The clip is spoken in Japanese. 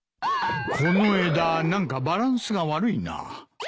この枝何かバランスが悪いな。